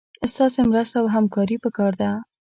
ستاسي مرسته او همکاري پکار ده